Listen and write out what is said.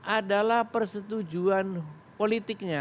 adalah persetujuan politiknya